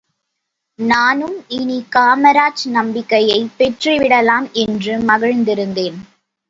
நானும், இனி காமராஜ் நம்பிக்கையைப் பெற்றுவிடலாம் என்று மகிழ்ந்திருந்தேன்.